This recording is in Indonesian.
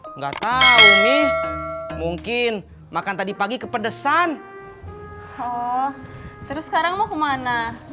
enggak tahu nih mungkin makan tadi pagi kepedesan terus sekarang mau kemana